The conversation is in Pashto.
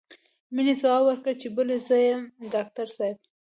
مينې ځواب ورکړ چې بلې زه يم ډاکټر صاحب.